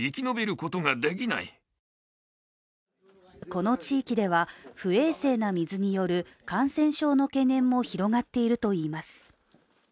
この地域では不衛生な水による感染症の懸念も広がっているといいます。